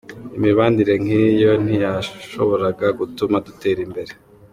Imibanire nk’iyo ntiyashoboraga gutuma dutera imbere.